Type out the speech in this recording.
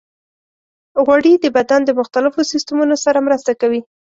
غوړې د بدن د مختلفو سیستمونو سره مرسته کوي.